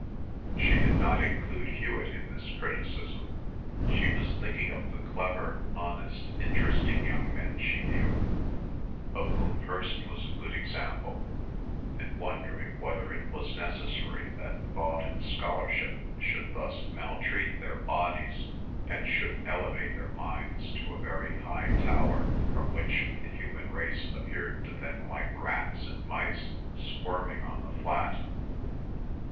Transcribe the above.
She did not include Hewet in this criticism; she was thinking of the clever, honest, interesting young men she knew, of whom Hirst was a good example, and wondering whether it was necessary that thought and scholarship should thus maltreat their bodies, and should thus elevate their minds to a very high tower from which the human race appeared to them like rats and mice squirming on the flat.